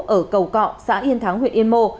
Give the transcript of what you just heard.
ở cầu cọ xã yên thắng huyện yên mô